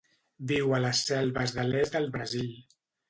Viu a les selves de l'est del Brasil.